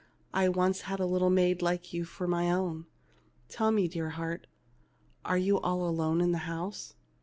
I once had a little maid like you for my own. Tell me, dear heart, are you all alone in the house